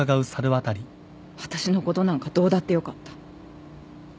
私のことなんかどうだってよかった。